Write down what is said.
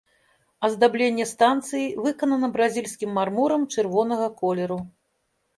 Аздабленне станцыі выканана бразільскім мармурам чырвонага колеру.